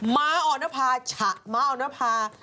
มาอ่อนภาฉะมาอ่อนภา